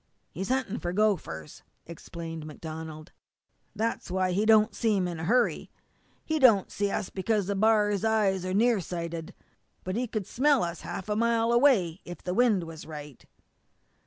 "He's hunting for gophers," explained MacDonald. "That's why he don't seem in a hurry. He don't see us because a b'ar's eyes are near sighted, but he could smell us half a mile away if the wind was right."